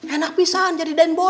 enak pisan jadi den boy